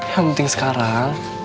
yang penting sekarang